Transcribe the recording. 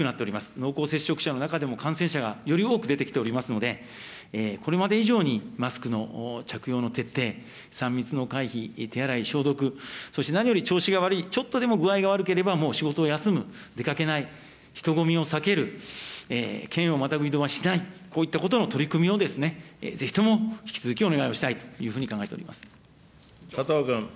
濃厚接触者の中でも感染者がより多く出てきておりますので、これまで以上にマスクの着用の徹底、３密の回避、手洗い、消毒、そして何より調子が悪い、ちょっとでも具合が悪ければ、もう仕事を休む、出かけない、人混みを避ける、県をまたぐ移動はしない、こういったことの取り組みをぜひとも引き続きお願いをしたいとい佐藤君。